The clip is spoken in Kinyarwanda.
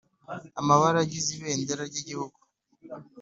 amabara agize Ibendera ry Igihugu